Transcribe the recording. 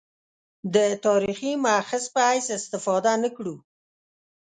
د تاریخي مأخذ په حیث استفاده نه کړو.